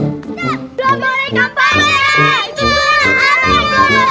udah boleh kampanye